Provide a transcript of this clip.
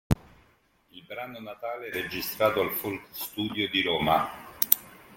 Il brano "Natale" è registrato al Folkstudio di Roma.